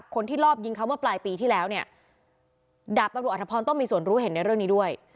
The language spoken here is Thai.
คนที่รอบยิงเขาเมื่อปลายปีที่แล้วเนี่ยดาบตำรวจอธพรต้องมีส่วนรู้เห็นในเรื่องนี้ด้วย